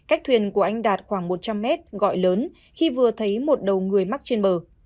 anh đạt khoảng một trăm linh mét gọi lớn khi vừa thấy một đầu người mắc trên bờ